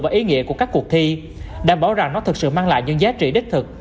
và ý nghĩa của các cuộc thi đảm bảo rằng nó thực sự mang lại những giá trị đích thực